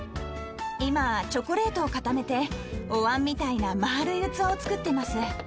今チョコレートを固めておわんみたいなまるい器を作ってます。